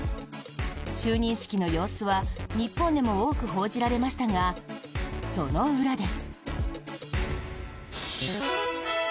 就任式の様子は日本でも多く報じられましたがその裏で。